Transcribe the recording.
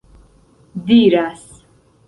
diras